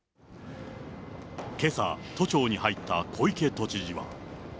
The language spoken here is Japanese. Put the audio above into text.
けさ、都庁に入った小池都知事は。